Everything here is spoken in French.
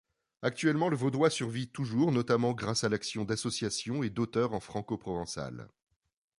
Actuellement, le vaudois survit toujours notamment grâce à l'action d'associations et d'auteurs en francoprovençal.